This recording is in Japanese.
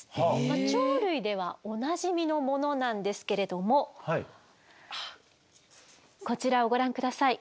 鳥類ではおなじみのものなんですけれどもこちらをご覧下さい。